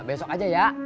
besok aja ya